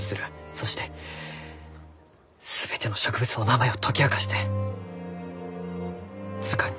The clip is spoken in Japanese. そして全ての植物の名前を解き明かして図鑑に永久に刻む。